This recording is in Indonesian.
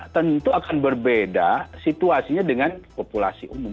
tentu akan berbeda situasinya dengan populasi umum